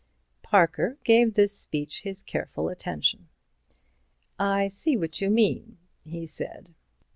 Parker gave this speech his careful attention. "I see what you mean," he said.